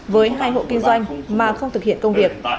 với hai hộ kinh doanh mà không thực hiện công việc